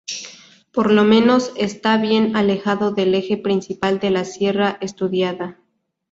Por lo menos está bien alejado del eje principal de la sierra estudiada.